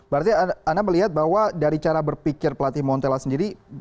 berarti anda melihat bahwa dari cara berpikir pelatih montella sendiri